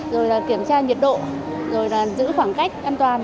rồi là kiểm tra nhiệt độ rồi là giữ khoảng cách an toàn